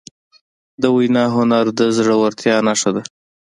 د وینا هنر د زړهورتیا نښه ده.